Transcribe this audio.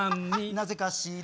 「なぜかしら」